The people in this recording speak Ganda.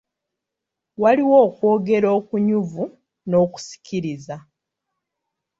Waliwo okwogera okunyuvu n'okusikiriza.